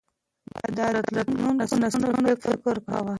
ده د راتلونکو نسلونو فکر کاوه.